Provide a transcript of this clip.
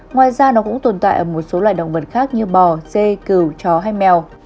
ngoài ra nó cũng tồn tại ở một số loài động vật khác như bò dê cừu chó hay mèo